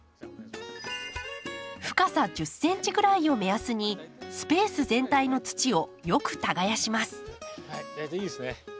深さ１０ｃｍぐらいを目安にスペース全体の土をよく耕します。